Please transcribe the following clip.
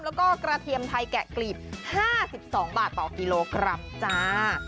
แล้วก็กระเทียมไทยแกะกลีบ๕๒บาทต่อกิโลกรัมจ้า